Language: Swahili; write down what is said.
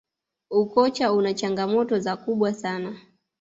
ukocha una changamoto za kubwa sana